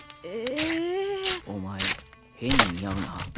お前変に似合うな。